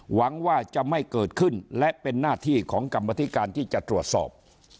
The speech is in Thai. หวังว่าจะไม่เกิดขึ้นและเป็นหน้าที่ของกรรมธิการที่จะตรวจสอบ